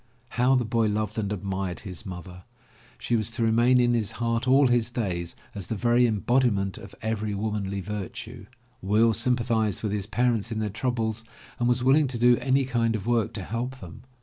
How the boy loved and admired his mother. She was to remain in his heart all his days as the very embodiment of every womanly virtue. Will sympathized with his parents in their troubles and was willing to do any kind of work to help them.